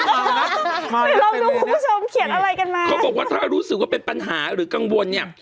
เขาก็บอกว่าถ้ารู้สึกว่าเป็นปัญหาหรือกังวลนี้